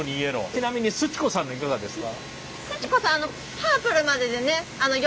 ちなみにすち子さんのいかがですか？